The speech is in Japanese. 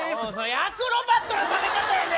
アクロバットな食べ方やで！